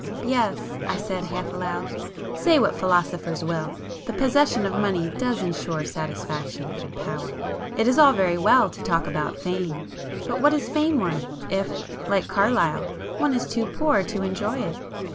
"Yes,"—I said half aloud—"Say what philosophers will, the possession of money does insure satisfaction and power. It is all very well to talk about fame, but what is fame worth, if, like Carlyle, one is too poor to enjoy it!